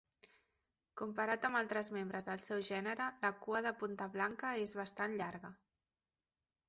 Comparat amb altres membres del seu gènere, la cua de punta blanca és bastant llarga.